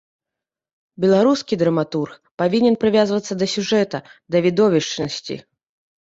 Беларускі драматург павінен прывязвацца да сюжэта, да відовішчнасці.